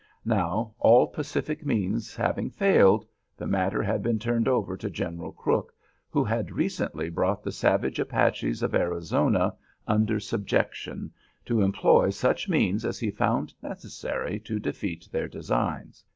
Now, all pacific means having failed, the matter had been turned over to General Crook, who had recently brought the savage Apaches of Arizona under subjection, to employ such means as he found necessary to defeat their designs.